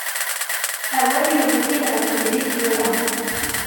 Awal yuwi-t-id ɣef udlis yura.